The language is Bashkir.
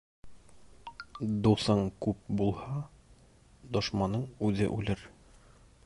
Дуҫың күп булһа, дошманың үҙе үлер.